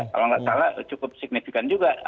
kalau nggak salah cukup signifikan juga